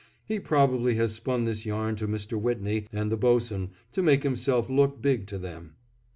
He probably has spun this yarn to Mr. Whitney and the boatswain to make himself look big to them.